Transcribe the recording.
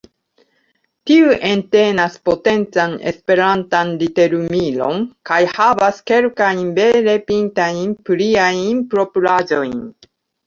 Tiu entenas potencan esperantan literumilon kaj havas kelkajn vere pintajn pliajn propraĵojn.